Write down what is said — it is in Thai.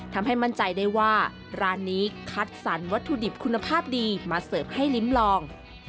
ทำให้มั่นใจได้ว่าร้านนี้คัดสรรวัตถุดิบคุณภาพดีมาเสิร์ฟให้ลิ้มลอง